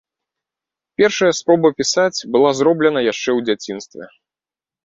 Першая спроба пісаць была зроблена яшчэ ў дзяцінстве.